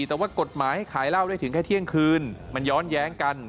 แต่ว่ากฎหมายให้ขายเหล้าได้ถึงแค่เที่ยงคืนมันย้อนแย้งกัน